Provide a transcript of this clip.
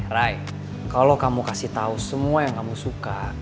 rai kalau kamu kasih tau semua yang kamu suka